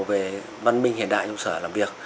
về văn minh hiện đại chủ sở làm việc